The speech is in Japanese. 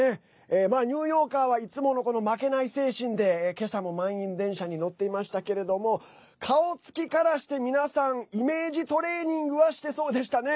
ニューヨーカーは、いつものこの負けない精神でけさも満員電車に乗っていましたけれども顔つきからして皆さんイメージトレーニングはしてそうでしたね。